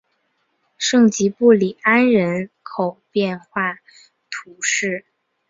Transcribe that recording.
圣吉布里安人口变化图示